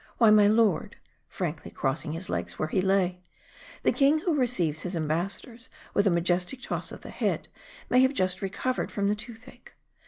Why, my lord," frankly crossing his legs where he lay " the king, who receives his embassadors with a majestic toss of the head, may have just recovered from the tooth ache.